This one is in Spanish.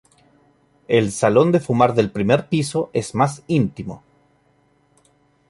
El salón de fumar del primer piso es más íntimo.